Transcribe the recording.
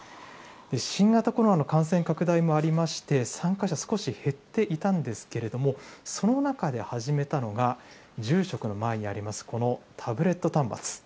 新型コロナの感染拡大もありまして、参加者、少し減っていたんですけれども、その中で始めたのが、住職の前にあります、このタブレット端末。